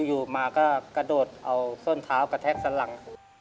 อยู่มาก็กระโดดเอาส้นเท้ากระแทกสันหลัง